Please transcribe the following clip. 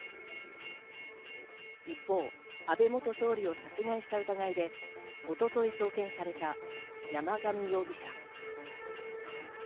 一方、安倍元総理を殺害した疑いで一昨日送検された山上容疑者。